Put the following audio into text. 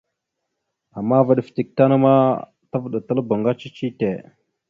Ama vaɗ fətek tan ma tavəɗataləbáŋga cici tte.